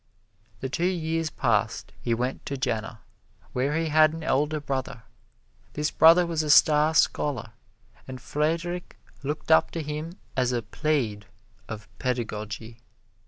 The two years past, he went to Jena, where he had an elder brother. This brother was a star scholar, and Friedrich looked up to him as a pleiad of pedagogy.